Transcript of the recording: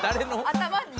頭に？